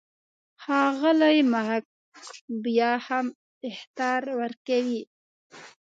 ښاغلی محق بیا هم اخطار ورکوي.